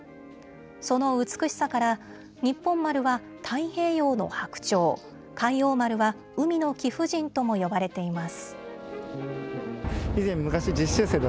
その美しさから日本丸は太平洋の白鳥、海王丸は海の貴婦人とも呼ばれています。